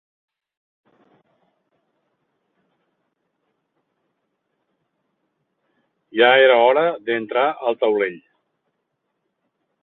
Ja era hora d'entrar al taulell.